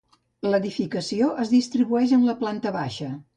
L'edificació es distribueix en planta baixa.